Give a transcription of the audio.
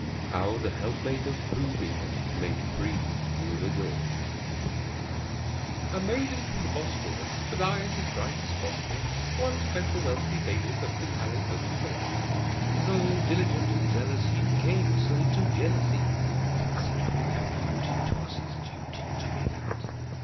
How the Helpmate of Blue Beard Made Free with a Door A maiden from the Bosphorus, With eyes as bright as phosphorus, Once wed the wealthy bailiff Of the caliph Of Kelat. Though diligent and zealous, he Became a slave to jealousy. (Considering her beauty, 'Twas his duty To be that!)